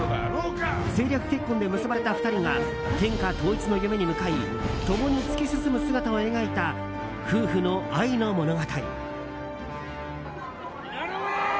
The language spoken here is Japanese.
政略結婚で結ばれた２人が天下統一の夢に向かい共に突き進む姿を描いた夫婦の愛の物語。